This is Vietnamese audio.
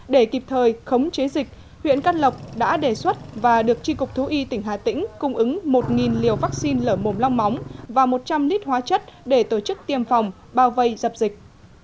để kịp thời khống chế dịch huyện căn lộc đã đề xuất và được tri cục thú y tỉnh hà tĩnh cung ứng một liều vaccine lở mồm long móng và một trăm linh lít hóa chất để tổ chức tiêm phòng bao vây dập dịch